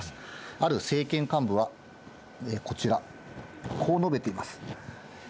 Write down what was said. ある政権幹部は、こちら、こう述べています。